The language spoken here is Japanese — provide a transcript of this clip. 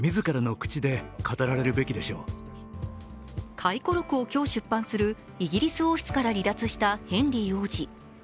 回顧録を今日出版するイギリス王室から離脱したヘンリー王子。